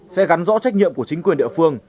sẽ gắn rõ trách nhiệm của chính quyền địa phương